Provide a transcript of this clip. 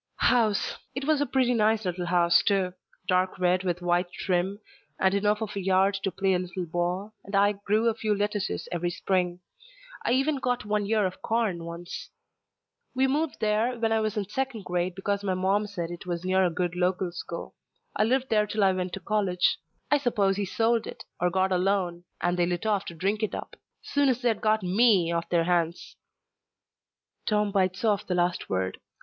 "House. It was a pretty nice little house, too. Dark red with white trim, and enough of a yard to play a little ball, and I grew a few lettuces every spring. I even got one ear of corn once. We moved there when I was in second grade because my mom said it was near a good local school. I lived there till I went to college. I suppose he sold it, or got a loan, and they lit off to drink it up. Soon's they'd got me off their hands." Tom bites off the last word.